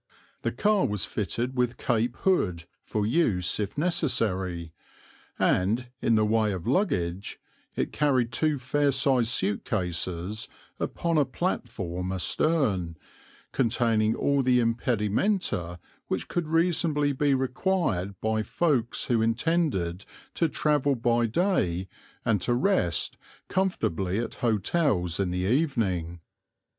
The car was fitted with cape hood for use if necessary, and, in the way of luggage, it carried two fair sized suit cases upon a platform astern, containing all the impedimenta which could reasonably be required by folks who intended to travel by day and to rest comfortably at hotels in the evening.